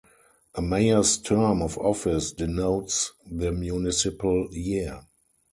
A mayor's term of office denotes the municipal year.